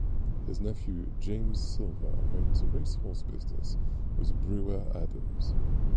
His nephew James Silva owns a racehorse business with Brewer Adams.